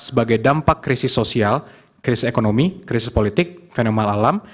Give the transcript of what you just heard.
sebagai dampak krisis sosial krisis ekonomi krisis politik fenomena alam